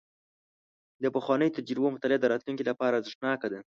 د پخوانیو تجربو مطالعه د راتلونکي لپاره ارزښتناکه ده.